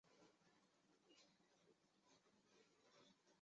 这样的学校要怎么经营下去？